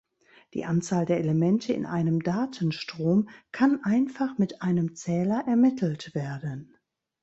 Die Anzahl der Elemente in einem Datenstrom kann einfach mit einem Zähler ermittelt werden.